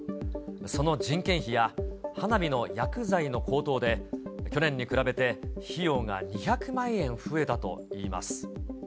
その人件費や、花火の薬剤の高騰で、去年に比べて、費用が２００万円増えたといいます。